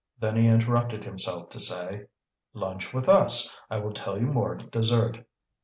Then he interrupted himself to say: "Lunch with us. I will tell you more at dessert."